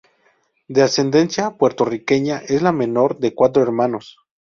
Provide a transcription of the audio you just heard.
De ascendencia puertorriqueña, es la menor de cuatro hermanos.